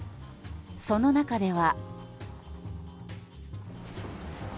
その中では。